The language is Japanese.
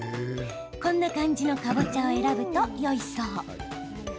こんな感じのかぼちゃを選ぶとよいそう。